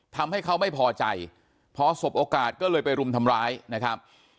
ทำให้เขาไม่พอใจพอสบโอกาสก็เลยไปรุมทำร้ายนะครับ